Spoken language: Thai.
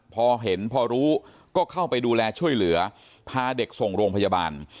พอเห็นพอรู้ก็เข้าไปดูแลช่วยเหลือพาเด็กส่งโรงพยาบาล